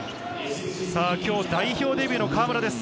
今日代表デビューの河村です。